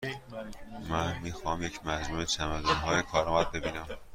من می خواهم یک مجموعه چمدانهای کارآمد ببینم.